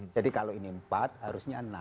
jadi kalau ini empat harusnya enam